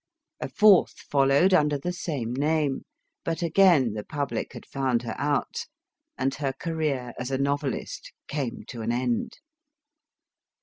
A fourth followed under the same name, but again the public had found her out, and her career as a novelist came to an end.